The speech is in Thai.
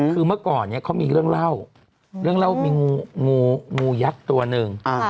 คือเมื่อก่อนเนี่ยเขามีเรื่องเล่าเรื่องเล่ามีงูยักษ์ตัวหนึ่ง